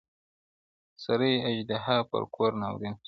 د سل سري اژدها پر كور ناورين سو!